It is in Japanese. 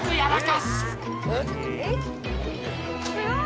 すごい！